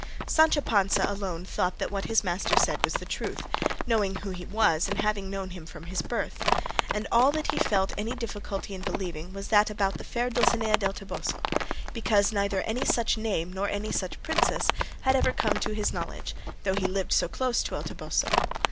Sancho Panza alone thought that what his master said was the truth, knowing who he was and having known him from his birth; and all that he felt any difficulty in believing was that about the fair Dulcinea del Toboso, because neither any such name nor any such princess had ever come to his knowledge though he lived so close to El Toboso.